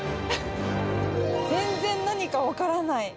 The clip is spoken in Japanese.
全然何か分からない。